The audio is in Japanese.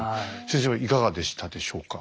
先生はいかがでしたでしょうか？